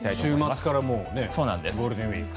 週末からゴールデンウィーク。